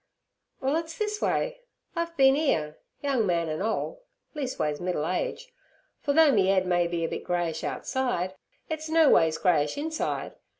'Well, it's this way: I've bin 'ere, young man an' ole—leastways middle age, for though me 'ead may be a bit greyish outside, it's noways greyish inside.